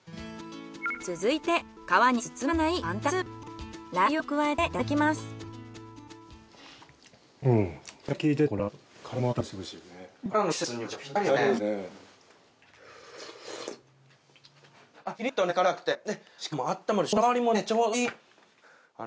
続いて皮に包まないラー油を加えていただきます。